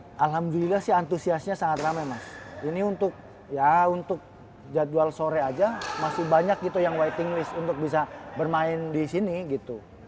alhamdulillah sih antusiasnya sangat ramai mas ini untuk ya untuk jadwal sore aja masih banyak gitu yang waiting list untuk bisa bermain di sini gitu